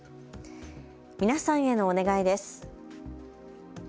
皆さんへのお願いです。